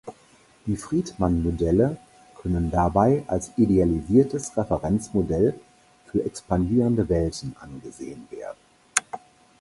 Die Friedmann-Modelle können dabei als idealisiertes Referenzmodell für expandierende Welten angesehen werden.